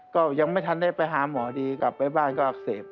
ก็ยังไม่ทันได้ไปหาหมอดีกลับไปบ้านก็อักเสบ